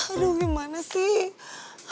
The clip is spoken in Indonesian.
aduh gimana sih